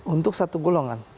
untuk satu golongan